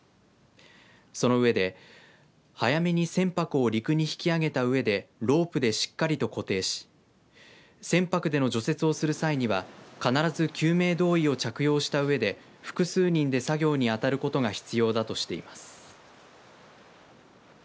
その上で早めに船舶を陸に引き揚げたうえでロープでしっかりと固定し船舶での除雪をする際には必ず救命胴衣を着用したうえで複数人で作業に当たることが必要だとしています。